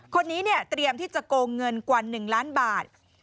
คนนี้เนี่ยเตรียมที่จะโกงเงินกว่า๑ล้านบาท